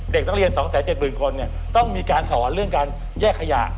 เด็กนักเรียน๒๗๐๐คนต้องมีการสอนเรื่องการแยกขยะ